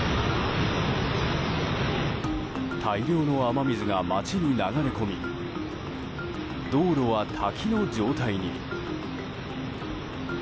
大量の雨水が街に流れ込み道路は滝の状態に。